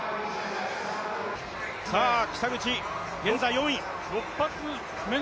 さあ北口、現在４位。